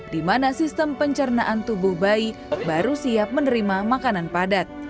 di mana sistem pencernaan tubuh bayi baru siap menerima makanan padat